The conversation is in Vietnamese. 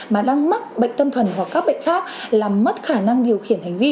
mà đang mắc bệnh tâm thần hoặc các bệnh khác làm mất khả năng điều khiển hành vi